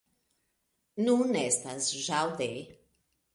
Nun estas ĵaŭde.